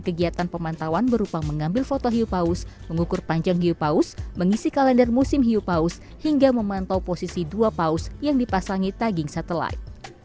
mereka melakukan kegiatan pemantauan berupa mengambil foto hiupaus mengukur panjang hiupaus mengisi kalender musim hiupaus hingga memantau posisi dua paus yang dipasangi tagging satelit